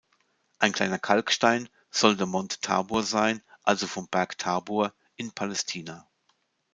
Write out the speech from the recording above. Ein kleiner Kalkstein soll „de monte Tabor“ sein, also vom Berg Tabor in Palästina.